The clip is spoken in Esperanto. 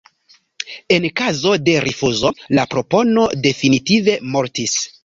En kazo de rifuzo, la propono definitive mortis.